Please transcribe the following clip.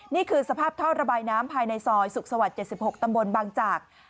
นี่คือสภาพท่อระบายน้ำภายในซอยสุขสวรรค์๗๖ตำบลบางจาก